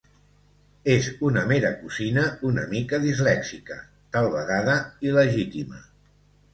És una mera cosina una mica dislèxica, tal vegada il·legítima.